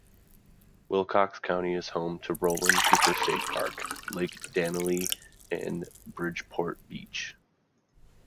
Wilcox County is home to Roland Cooper State Park, Lake Dannelly, and Bridgeport Beach.